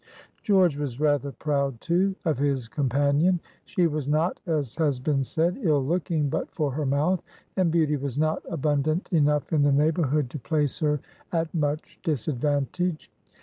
George was rather proud, too, of his companion. She was not, as has been said, ill looking but for her mouth, and beauty was not abundant enough in the neighborhood to place her at much disadvantage.